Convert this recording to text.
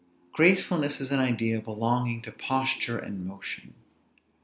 Gracefulness is an idea belonging to posture and motion.